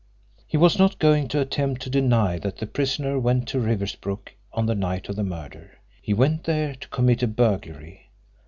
He was not going to attempt to deny that the prisoner went to Riversbrook on the night of the murder. He went there to commit a burglary.